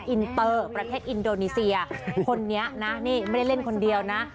อินเตอร์ประเทศอินโดนีเซียคนนี้นะนี่ไม่ได้เล่นคนเดียวนะ